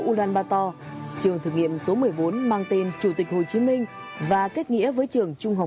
ulaanbaator trường thực nghiệm số một mươi bốn mang tên chủ tịch hồ chí minh và kết nghĩa với trường trung